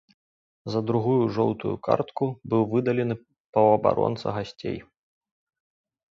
За другую жоўтую картку быў выдалены паўабаронца гасцей.